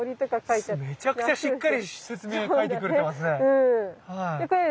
めちゃくちゃしっかり説明書いてくれてますね。